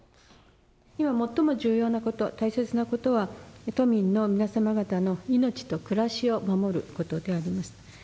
今、最も重要なこと、大切なことは、都民の皆様方の命と暮らしを守ることであります。